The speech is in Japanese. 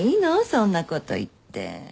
そんなこと言って。